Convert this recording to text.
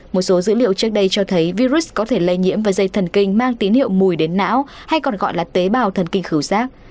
một số dữ liệu trước đây cho thấy virus có thể lây nhiễm và dây thần kinh mang tín hiệu mùi đến não hay còn gọi là tế bào thần kinh khử rác